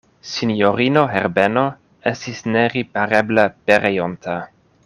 Sinjorino Herbeno estis neripareble pereonta.